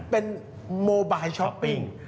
เป็นโมบายช้อปปิ้ง